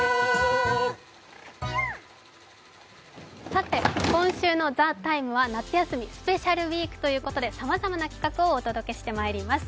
さて今週の「ＴＨＥＴＩＭＥ，」は「夏休みスペシャルＷＥＥＫ」ということでさまざまな企画をお届けしてまいります。